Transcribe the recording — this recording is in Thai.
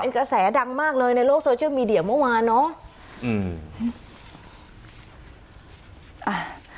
กระแสดังมากเลยในโลกโซเชียลมีเดียเมื่อวานเนอะอืมอ่า